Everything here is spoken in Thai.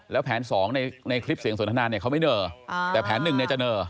แล้วแผนสองในคลิปเสียงสนทนาเนี่ยเขาไม่เนอแต่แผนหนึ่งเนี่ยจะเนอ